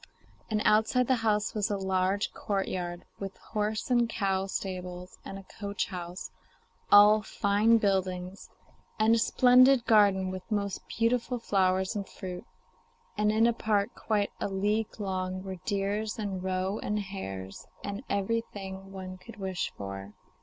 And outside the house was a large courtyard with horse and cow stables and a coach house all fine buildings; and a splendid garden with most beautiful flowers and fruit, and in a park quite a league long were deer and roe and hares, and everything one could wish for.